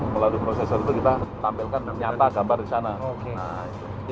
melalui prosesor itu kita tampilkan nyata gambar di sana